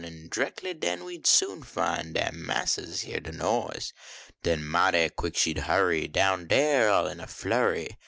An dreckly den we d soon fin Dat missus heah de noise. Den mighty quick she d hurrv Down dar all in a flurry.